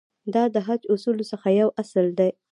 دا د حج اصولو څخه یو اصل دی.